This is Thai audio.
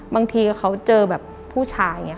บางทีเขาเจอแบบผู้ชาย